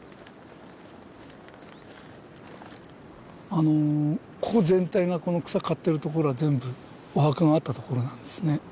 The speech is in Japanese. あのここ全体がこの草を刈っている所は全部お墓があった所なんですね。